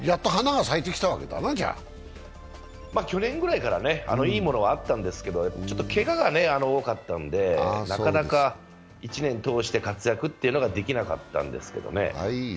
去年ぐらいからいいものはあったんですけれども、けがが多かったので、なかなか１年通して活躍ができなかったんですけどね。